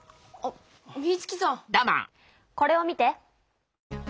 これを見て。